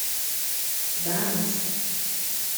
Tedɛamt.